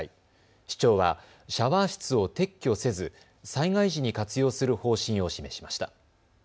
市長はシャワー室を撤去せず災害時に活用する方針を示しました。